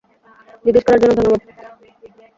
জিজ্ঞেস করার জন্য ধন্যবাদ।